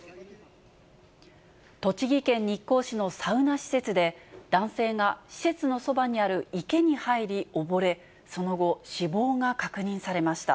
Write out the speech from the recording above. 栃木県日光市のサウナ施設で、男性が施設のそばにある池に入り溺れ、その後、死亡が確認されました。